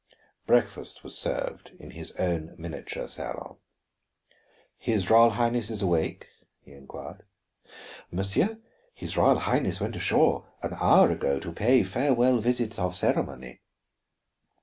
Breakfast was served in his own miniature salon. "His Royal Highness is awake?" he inquired. "Monsieur, his Royal Highness went ashore an hour ago, to pay farewell visits of ceremony."